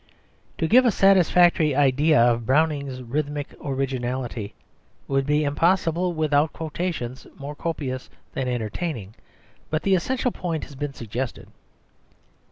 To give a satisfactory idea of Browning's rhythmic originality would be impossible without quotations more copious than entertaining. But the essential point has been suggested.